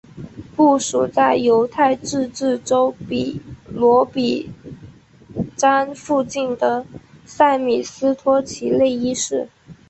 部署在犹太自治州比罗比詹附近的塞米斯托齐内伊市。